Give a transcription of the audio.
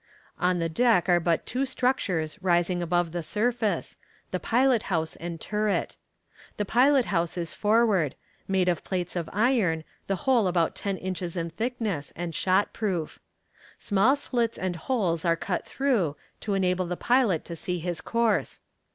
On the deck are but two structures rising above the surface, the pilot house and turret. The pilot house is forward, made of plates of iron, the whole about ten inches in thickness, and shot proof. Small slits and holes are cut through, to enable the pilot to see his course.